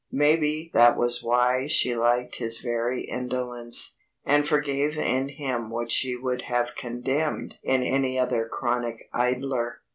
Maybe that was why she liked his very indolence, and forgave in him what she would have condemned in any other chronic idler.